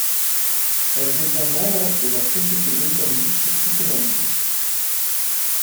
Elle devient membre de la Société britannique de psychanalyse.